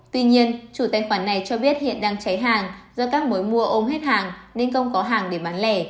tuy nhiên chủ tài khoản này cho biết hiện đang cháy hàng do các mối mua ôm hết hàng nên công có hàng để bán lẻ